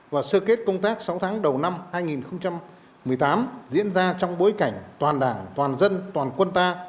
và sơ kết công tác sáu tháng đầu năm hai nghìn một mươi tám diễn ra trong bối cảnh toàn đảng toàn dân toàn quân ta